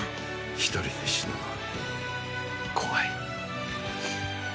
１人で死ぬのは怖い。